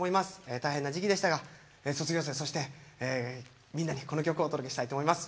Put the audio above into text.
大変な時期でしたが卒業生、そしてみんなにこの曲をお届けしたいと思います。